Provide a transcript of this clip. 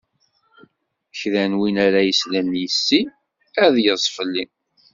Kra n win ara yeslen yis-i, ad yeḍṣ fell-i.